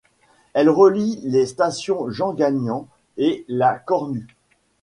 Elle relie les stations Jean-Gagnant et La Cornue.